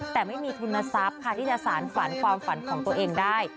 แต่ไม่มีทุนทรัพย์ค่ะที่จะสารฝันความฝันของตัวเองได้